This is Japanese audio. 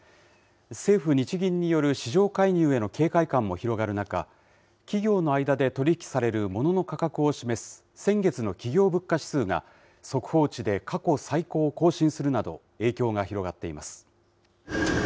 政府・日銀による市場介入への警戒感も広がる中、企業の間で取り引きされるものの価格を示す先月の企業物価指数が、速報値で過去最高を更新するなど、影響が広がっています。